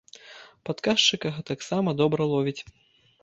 Падказчыка гэтаксама добра ловіць.